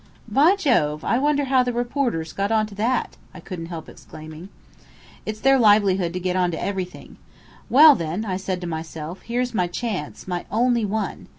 "By Jove, I wonder how the reporters got onto that?" I couldn't help exclaiming. "It's their livelihood to get onto everything. 'Well then,' I said to myself, 'Here's my chance, my only one.